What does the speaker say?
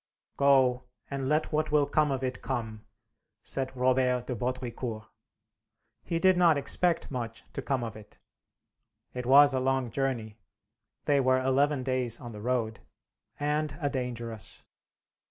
"Go, and let what will come of it come!" said Robert de Baudricourt. He did not expect much to come of it. It was a long journey they were eleven days on the road and a dangerous.